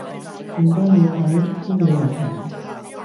勁多嘢睇，啲嘢又平